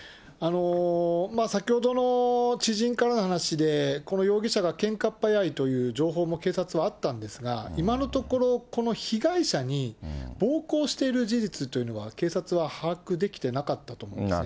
先ほどの知人からの話で、この容疑者がけんかっ早いという情報も警察はあったんですが、今のところ、この被害者に暴行している事実というのは、警察は把握できてなかったと思うんですね。